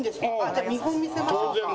じゃあ見本見せましょうか。